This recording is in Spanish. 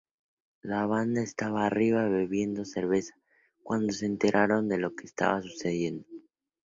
La banda estaba arriba, bebiendo cerveza, cuando se enteraron de lo que estaba sucediendo.